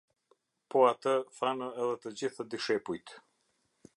Po atë thanë edhe të gjithë dishepujt.